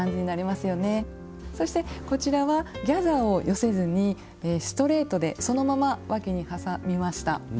そしてこちらはギャザーを寄せずにストレートでそのままわきにはさみました。